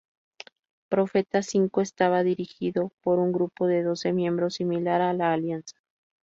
Profeta Cinco estaba dirigido por un grupo de doce miembros, similar a la Alianza.